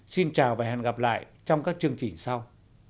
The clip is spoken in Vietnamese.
xin chào và hẹn gặp lại trong các chương trình sau